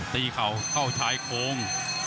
เข่าเข้าชายโครง